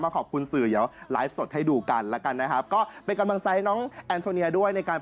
ก็เรียกว่าเป็นนิมน่ารักนะนะคะ